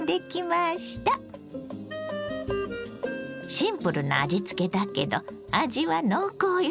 シンプルな味つけだけど味は濃厚よ。